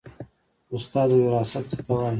استاده وراثت څه ته وایي